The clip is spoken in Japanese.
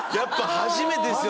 初めてですよ。